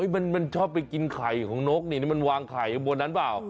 มันชอบไปกินไข่ของนกนี่นี่มันวางไข่อยู่บนนั้นเปล่า